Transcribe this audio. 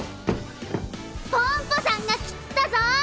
ポンポさんがきったぞ！